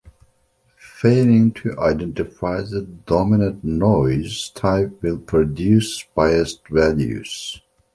Failing to identify the dominant noise type will produce biased values.